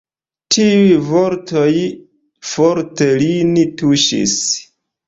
Tiuj vortoj forte lin tuŝis.